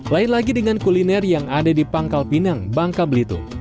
lain lagi dengan kuliner yang ada di pangkal pinang bangka belitung